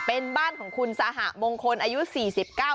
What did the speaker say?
เป็นบ้านของคุณสหะมงคลอายุ๔๙ปี